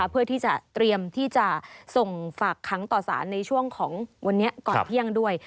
เพื่อที่จะเตรียมที่จะส่งฝากค้างต่อสารในช่วงของวันนี้ก่อนเที่ยงด้วย